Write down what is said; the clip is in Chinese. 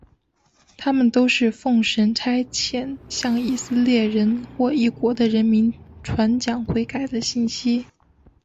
他们都是奉神差遣向以色列人或异国的人民传讲悔改的信息。